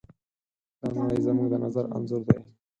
دا نړۍ زموږ د نظر انځور دی.